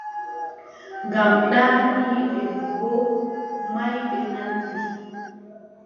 Ngam ɗaaniiɓe boo maayɓe nandi.